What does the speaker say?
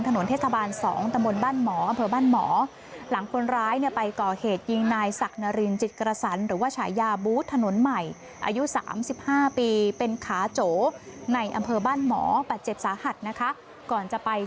ถนนเทศบาล๒ตำบลบ้านหมออำเภอบ้านหมอ